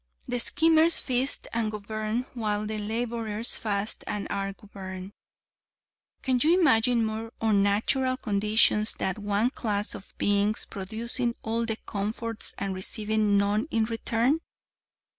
The schemers feast and govern, while the laborers fast and are governed. Can you imagine more unnatural conditions than one class of beings producing all the comforts and receiving none in return?